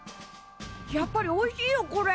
やっぱりおいしいよこれ。